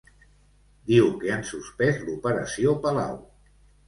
Diu que han suspès l'operació Palau.